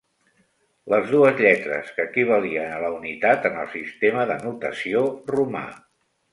Les dues lletres que equivalien a la unitat en el sistema de notació romà.